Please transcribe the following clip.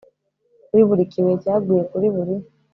kuri buri kibuye cyaguye kuri buri